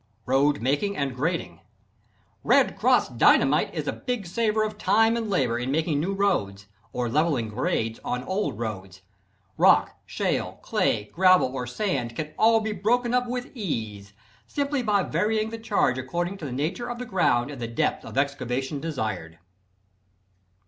Road Making and Grading. "Red Cross" Dynamite is a big saver of time and labor in making new roads, or leveling grades on old roads. Rock, shale, clay, gravel or sand, can all be broken up with ease, simply by varying the charge according to the nature of the ground and the depth of excavation desired.